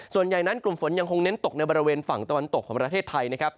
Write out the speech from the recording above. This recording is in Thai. ส่วนใหญ่นั้นกลุ่มฝนยังคงเน้นตกในบริเวณฝั่งตะวันตกของประเทศไทยนะครับ